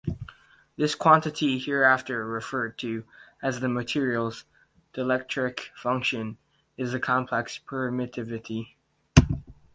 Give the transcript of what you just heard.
This quantity, hereafter referred to as the materials' "dielectric function," is the complex permittivity.